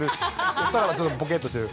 お二方ちょっとボケッとしてる。